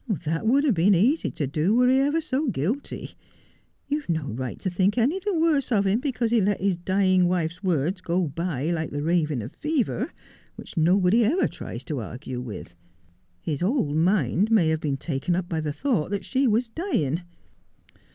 ' That would have been easy to do were he ever so guilty. You have no right to think any the worse of him because he let his dying wife's words go by like the raving of fever, which 280 Just as I Am. nobody ever tries to argue with. His whole mind may have been taken up by the thought that she was dying.